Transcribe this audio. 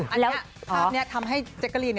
อันนี้ภาพนี้ทำให้แจ๊กกะลีน